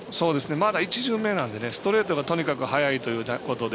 まだ１巡目なのでストレートがとにかく速いということで。